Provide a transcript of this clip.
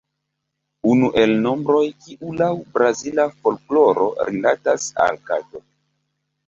Unu el nombroj kiu laŭ Brazila folkloro rilatas al kato.